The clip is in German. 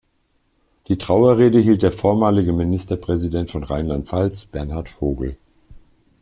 Die Trauerrede hielt der vormalige Ministerpräsident von Rheinland-Pfalz, Bernhard Vogel.